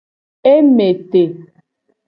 E me te.